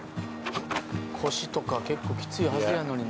腰とか結構きついはずやのにね。